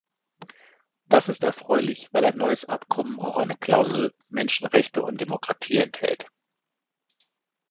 Das ist erfreulich, weil ein neues Abkommen auch eine Klausel "Menschenrechte und Demokratie" enthält.